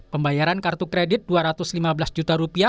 pembayaran kartu kredit rp dua ratus lima belas juta rupiah